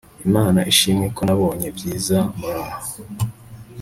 imana ishimwe ko nabonye byiza muraho